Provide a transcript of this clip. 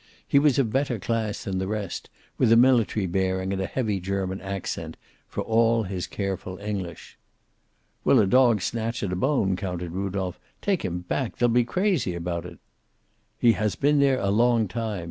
He was of better class than the rest, with a military bearing and a heavy German accent, for all his careful English. "Will a dog snatch at a bone?" countered Rudolph. "Take him back! They'll be crazy about it." "He has been there a long time.